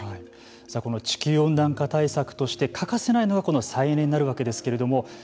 この地球温暖化対策として欠かせないのがこの再エネなんですけれども。